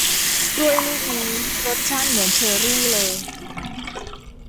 กล้วยลูกนี้รสชาติเหมือนเชอรี่เลย